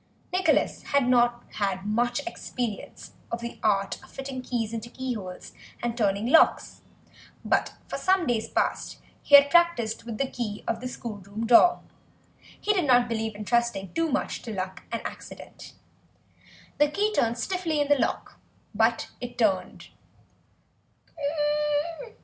Nicholas had not had much experience of the art of fitting keys into keyholes and turning locks, but for some days past he had practised with the key of the schoolroom door; he did not believe in trusting too much to luck and accident. The key turned stiffly in the lock, but it turned.